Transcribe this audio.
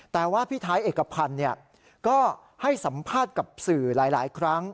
แต่ว่าพี่ท้ายเอกพันธ์ก็ให้สัมภาษณ์กับสื่อหลายครั้ง